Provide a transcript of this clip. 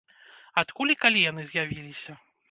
Адкуль і калі яны з'явіліся?